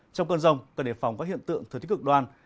trong cơn rông cần đề phòng các hiện tượng thực tích cực đoan